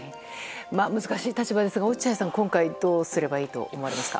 難しい立場ですが落合さんは今回どうすればいいと思いますか。